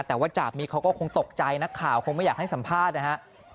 แต่ว่าจาบิ๊กเขาก็คงตกใจนักข่าวคงไม่อยากให้สัมภาษณ์นะฮะ